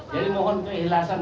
jadi mohon keikhlasan